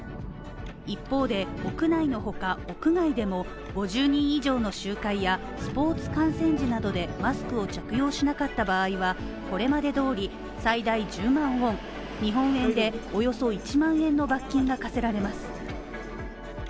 一方で、屋外の他、屋内でも５０人以上の集会やスポーツ観戦時などでマスクを着用しなかった場合はこれまで通り、最大１０万ウォン、日本円でおよそ１万円の罰金が科せられます。